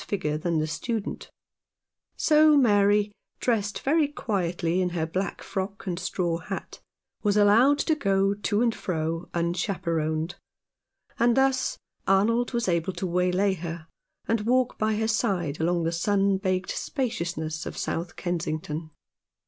figure than the student ; so Mary, dressed very quietly in her black frock and straw hat, was allowed to go to and fro unchaperoned, and thus Arnold was able to waylay her and walk by her side along the sun baked spaciousness of South Kensington.